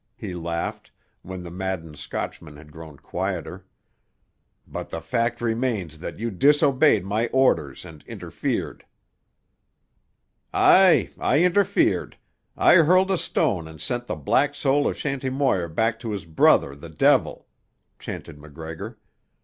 he laughed, when the maddened Scotchman had grown quieter. "But the fact remains that you disobeyed my orders and interfered." "Aye! I interfered. I hurled a stone and sent the black soul of Shanty Moir back to his brother the devil!" chanted MacGregor.